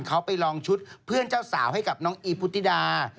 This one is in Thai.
เขาไปลองชุดเพื่อนเจ้าสาวให้กับน้องอีพุทธิดา